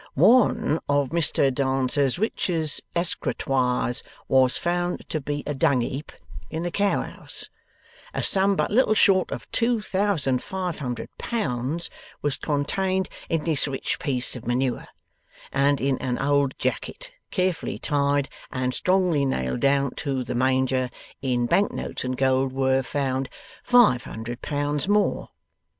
'"One of Mr Dancer's richest escretoires was found to be a dungheap in the cowhouse; a sum but little short of two thousand five hundred pounds was contained in this rich piece of manure; and in an old jacket, carefully tied, and strongly nailed down to the manger, in bank notes and gold were found five hundred pounds more."